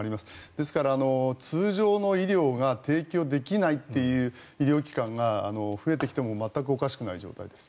ですから通常の医療が提供できないという医療機関が増えてきても全くおかしくない状態です。